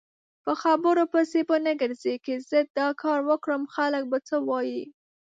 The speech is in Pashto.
په خبرو پسې به نه ګرځی که زه داکاروکړم خلک به څه وایي؟